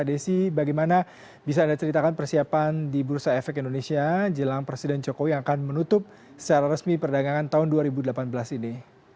desi bagaimana bisa anda ceritakan persiapan di bursa efek indonesia jelang presiden jokowi yang akan menutup secara resmi perdagangan tahun dua ribu delapan belas ini